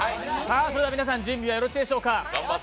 それでは皆さん、準備はよろしいでしょうか。